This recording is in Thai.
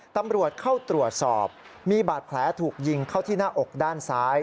ตำรวจเข้าตรวจสอบมีบาดแผลถูกยิงเข้าที่หน้าอกด้านซ้าย